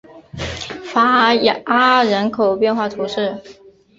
戈阿人口变化图示